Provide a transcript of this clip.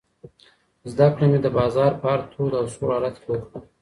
زده کړه مې د بازار په هر تود او سوړ حالت کې وکړه.